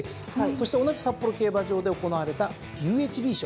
そして同じ札幌競馬場で行われたＵＨＢ賞。